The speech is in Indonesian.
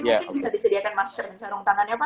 mungkin bisa disediakan masker dan sarung tangannya pak